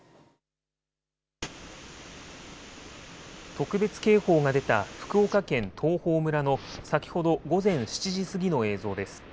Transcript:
特別警報が出た福岡県東峰村の先ほど午前７時過ぎの映像です。